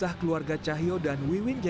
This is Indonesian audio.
yang kelima hari tidur di sini